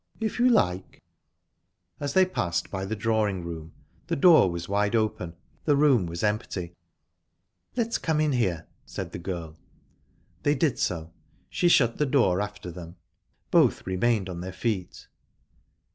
"If you like." As they passed by the drawing room the door was wide open; the room was empty. "Let's come in here," said the girl. They did so. She shut the door after them; both remained on their feet.